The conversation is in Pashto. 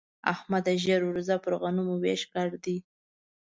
احمده! ژر ورځه پر غنمو وېش ګډ دی.